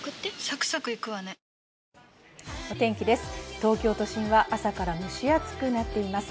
東京都心は朝から蒸し暑くなっています。